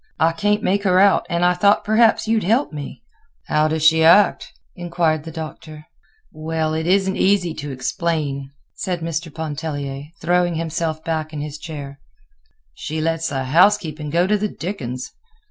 I can't make her out, and I thought perhaps you'd help me." "How does she act?" inquired the Doctor. "Well, it isn't easy to explain," said Mr. Pontellier, throwing himself back in his chair. "She lets the housekeeping go to the dickens."